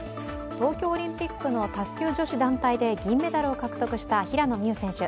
東京オリンピックの卓球女子団体で銀メダルを獲得した平野美宇選手。